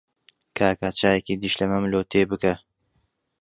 کاکە چایەکی دیشلەمەم لۆ تێ بکە.